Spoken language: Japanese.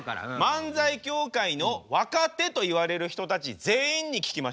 漫才協会の若手といわれる人たち全員に聞きました。